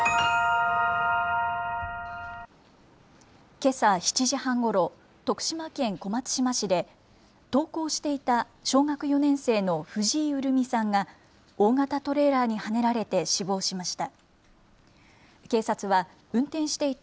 けさ７時半ごろ、徳島県小松島市で登校していた小学４年生の藤井潤美さんが大型トレーラーにはねられて死亡しました。